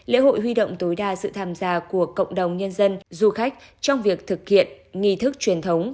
lễ hội huy động tối đa sự tham gia của cộng đồng nhân dân du khách trong việc thực hiện nghi thức truyền thống